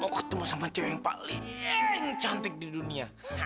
mau ketemu sama cewe yang paling cantik di dunia